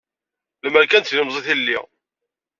Lemer kan d tilemẓit i lliɣ.